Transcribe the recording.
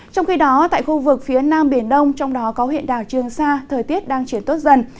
trong khi đó tại khu vực phía nam biển đông trong đó có huyện đảo trường sa thời tiết đang chuyển tốt dần